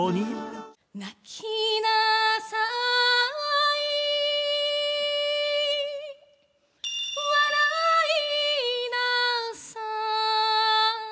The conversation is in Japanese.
「泣きなさい」「笑いなさい」